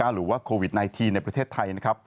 หรือว่าโควิด๑๙ในประเทศไทย